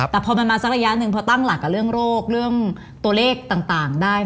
แต่พอมันมาสักระยะหนึ่งพอตั้งหลักกับเรื่องโรคเรื่องตัวเลขต่างได้